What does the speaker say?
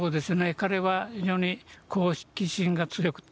彼は非常に好奇心が強くて。